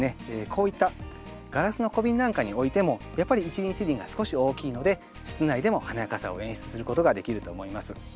こういったガラスの小瓶なんかに置いてもやっぱり一輪一輪が少し大きいので室内でも華やかさを演出することができると思います。